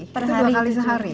itu dua kali sehari